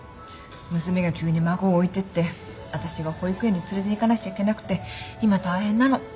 娘が急に孫を置いてって私が保育園に連れていかなくちゃいけなくて今大変なの。